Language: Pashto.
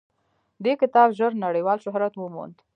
دې کتاب ژر نړیوال شهرت وموند.